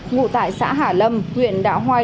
ngụ tải xã hả lâm huyện đạ hoai